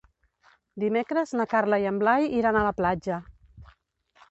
Dimecres na Carla i en Blai iran a la platja.